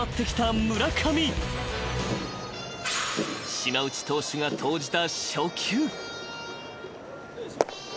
［島内投手が投じた］